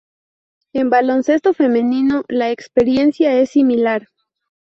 En baloncesto femenino, la experiencia es similar.